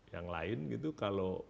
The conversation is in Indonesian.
yang lain gitu kalau